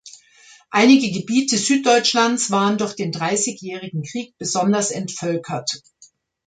Einige Gebiete Süddeutschlands waren durch den Dreißigjährigen Krieg besonders entvölkert.